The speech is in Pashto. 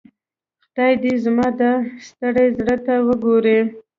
خدای دي زما دا ستړي زړۀ ته وګوري.